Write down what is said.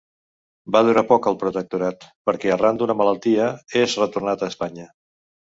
Va durar poc al Protectorat, perquè arran d'una malaltia és retornat a Espanya.